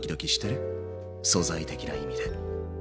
素材的な意味で。